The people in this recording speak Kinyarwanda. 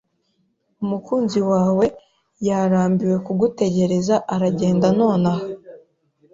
Umukunzi wawe yarambiwe kugutegereza aragenda nonaha.